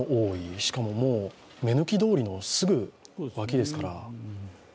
しかも目抜き通りのすぐ脇ですから。